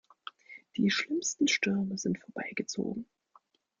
Die schlimmsten Stürme sind vorbei gezogen.